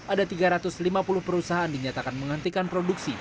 ada tiga ratus lima puluh perusahaan dinyatakan menghentikan produksi